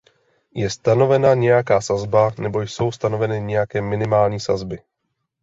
Je stanovena nějaká sazba nebo jsou stanoveny nějaké minimální sazby?